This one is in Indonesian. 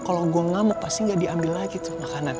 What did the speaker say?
kalau gue ngamuk pasti nggak diambil lagi tuh makanan